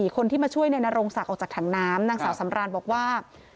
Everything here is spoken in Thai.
คนที่มาช่วยในนรงศักดิ์ออกจากถังน้ำนางสาวสำรานบอกว่า